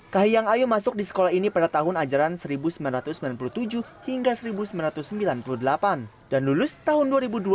kahiyang ayu masuk di sekolah ini pada tahun ajaran seribu sembilan ratus sembilan puluh tujuh hingga seribu sembilan ratus sembilan puluh delapan dan lulus tahun dua ribu dua